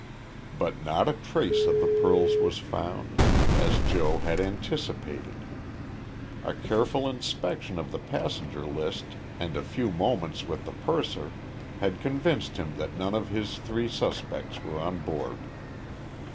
But not a trace of the pearls was found, as Joe had anticipated. A careful inspection of the passenger list and a few moments with the purser had convinced him that none of his three suspects were on board.